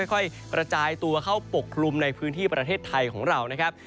กระจายตัวเข้าปกคลุมในพื้นที่ประเทศไทยของเรานะครับ